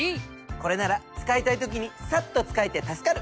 これなら使いたい時にサッと使えて助かる！